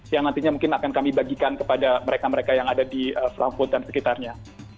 yang nantinya mungkin akan kami bagikan kepada mereka mereka yang ada di selamput dan sekitarnya